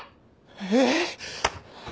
えっ！？